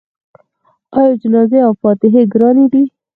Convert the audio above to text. آیا جنازې او فاتحې ګرانې دي؟